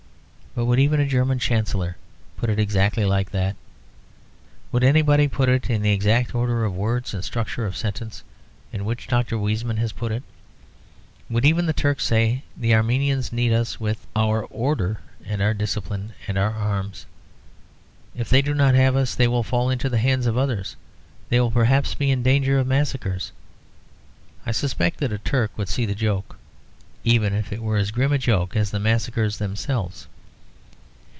But would even a German Chancellor put it exactly like that? Would anybody put it in the exact order of words and structure of sentence in which Dr. Weizmann has put it? Would even the Turks say, "The Armenians need us with our order and our discipline and our arms. If they do not have us they will fall into the hands of others, they will perhaps be in danger of massacres." I suspect that a Turk would see the joke, even if it were as grim a joke as the massacres themselves.